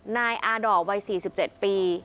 นายอาด่อวัย๔๗ปี